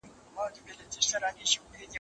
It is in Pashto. هغه غوټه په غاښو ورڅخه پرې کړه